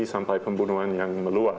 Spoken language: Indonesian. sampai pembunuhan yang meluas